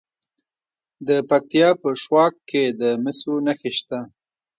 د پکتیا په شواک کې د مسو نښې شته.